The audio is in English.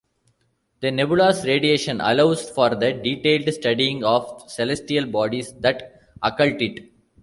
The nebula's radiation allows for the detailed studying of celestial bodies that occult it.